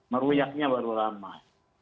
meruyaknya baru ramai